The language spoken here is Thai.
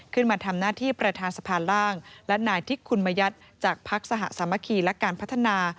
ขึ้นมาทำหน้าที่ประธานสภาล่างและนายทิคุณมยัติจากพักสหสามัคคีและการพัฒนา